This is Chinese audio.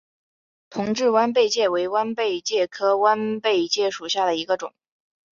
同志弯贝介为弯贝介科弯贝介属下的一个种。